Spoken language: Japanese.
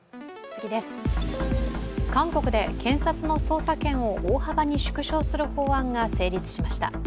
韓国で検察の捜査権を大幅に縮小する法案が成立しました。